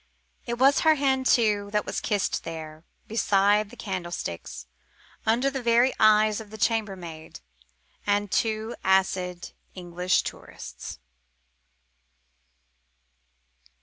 It was her hand, too, that was kissed there, beside the candlesticks, under the very eyes of the chambermaid and two acid English tourists.